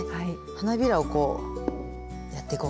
花びらをこうやっていこうかな。